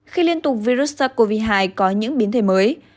khi liên tục virus sars cov hai có những biến thể mới